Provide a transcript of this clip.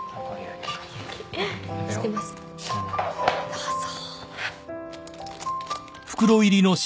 どうぞ。